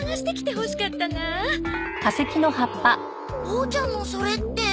ボーちゃんのそれって？